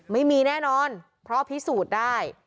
ไม่มีแน่นอนเพราะพิสูจน์ได้